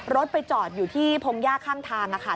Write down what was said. รถไปจอดอยู่ที่พงญากข้างทางนะคะ